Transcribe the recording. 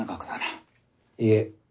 いえ。